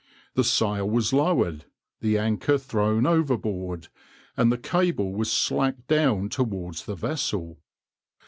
The sail was lowered, the anchor thrown overboard, and the cable was slacked down towards the vessel.